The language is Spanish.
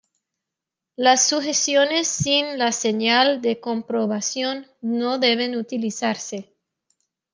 Las sujeciones sin la señal de comprobación no deben utilizarse.